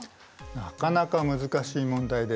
なかなか難しい問題です。